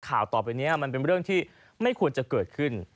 ข่าวต่อไปนี้มันเป็นเรื่องที่ไม่ควรจะเกิดขึ้น